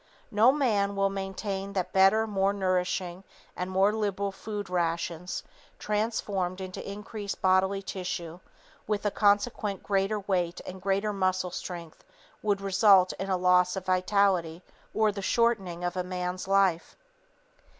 No man will maintain that better, more nourishing and more liberal food rations, transformed into increased bodily tissue, with a consequent greater weight and greater muscular strength, would result in a loss of vitality or the shortening of a man's life.